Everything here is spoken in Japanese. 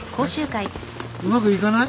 うまくいかない？